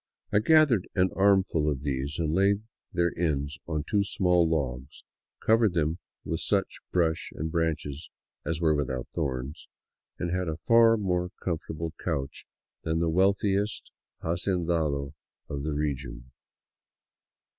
I gathered an armful of these and laid their ends on two small logs, covered them with such brush and branches as were without thorns, and had a far more comfortable couch than the wealthiest hacendado of the region.